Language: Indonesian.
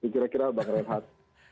kira kira bang renhat